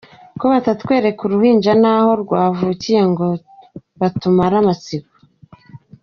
ko batatwereka uruhinja naho rwavukiye ngo batumare amatsiko.